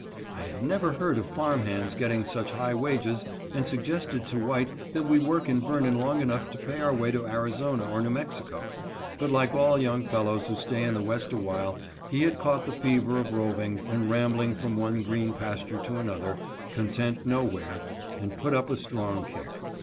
I had never heard of farm hands getting such high wages, and suggested to White that we work in Vernon long enough to pay our way to Arizona or New Mexico, but like all young fellows who stay in the West awhile, he had caught the fever of roving and rambling from one green pasture to another content no where and put up a strong kick.